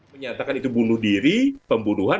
menyatakan itu bunuh diri pembunuhan